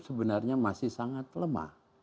sebenarnya masih sangat lemah